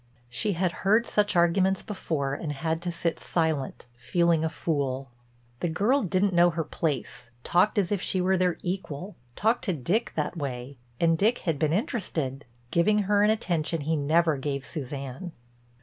She had heard such arguments before and had to sit silent, feeling a fool. The girl didn't know her place, talked as if she were their equal, talked to Dick that way, and Dick had been interested, giving her an attention he never gave Suzanne.